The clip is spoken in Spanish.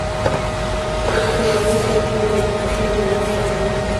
Sus funerales fueron una manifestación de duelo nacional en Costa Rica.